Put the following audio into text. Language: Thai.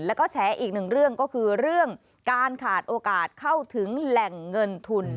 แล้วก็แฉอีกหนึ่งเรื่องก็คือเรื่องการขาดโอกาสเข้าถึงแหล่งเงินทุน